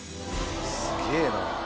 すげえな。